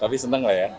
tapi seneng lah ya